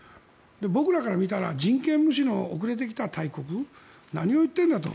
僕らから見たら人権無視の遅れてきた大国が何を言っているんだと。